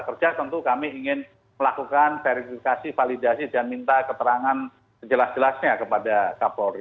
kerja tentu kami ingin melakukan verifikasi validasi dan minta keterangan sejelas jelasnya kepada kapolri